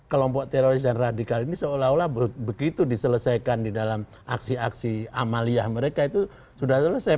kelompok teroris dan radikal ini seolah olah begitu diselesaikan di dalam aksi aksi amaliyah mereka itu sudah selesai